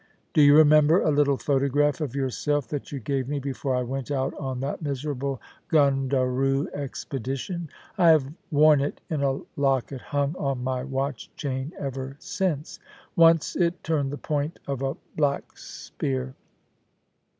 Do you remember a little photograph of yourself that you gave me before I went out on that miserable Gundaroo expedition ? I have worn it, in a locket hung on my watch chain, ever since ; once it turned the point of a black's spear.